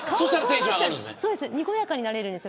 にこやかになれるんです。